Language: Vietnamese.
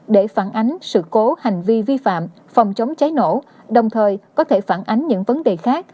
để phản ánh sự cố hành vi vi phạm phòng chống cháy nổ đồng thời có thể phản ánh những vấn đề khác